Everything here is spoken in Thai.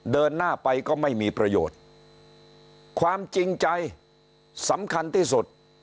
เดินหน้าไปก็ไม่มีประโยชน์ความจริงใจสำคัญที่สุด